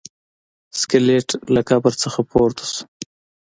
سکلیټ له قبر نه پورته شو.